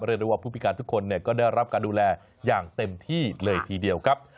เรียกได้ว่าผู้พิการทุกคนก็ได้รับการดูแลอย่างเต็มที่เลยทีเดียวครับ